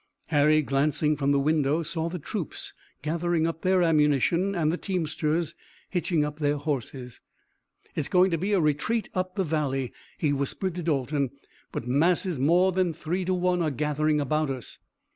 Harry, glancing from the window, saw the troops gathering up their ammunition and the teamsters hitching up their horses. "It's going to be a retreat up the valley," he whispered to Dalton. "But masses more than three to one are gathering about us."